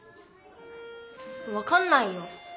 わかんないよ。